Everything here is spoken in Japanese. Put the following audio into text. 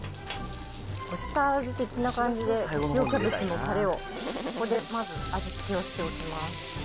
下味的な感じで、塩キャベツのたれを、ここでまず味付けをしておきます。